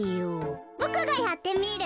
ボクがやってみる。